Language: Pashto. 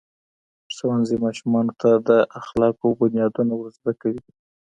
ښوونځی ماشومانو ته د اخلاقو بنیادونه ورزده کوي.